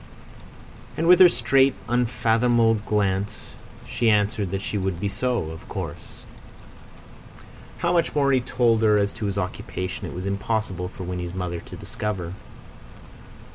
And with her straight, unfathomable glance she answered that she would be so, of course. How much more he told her as to his occupation it was impossible for Winnie's mother to discover.